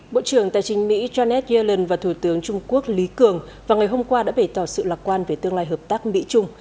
bộ trưởng tài chính mỹ janet yellen và thủ tướng trung quốc lý cường vào ngày hôm qua đã bể tỏ sự lạc quan về tương lai hợp tác mỹ trung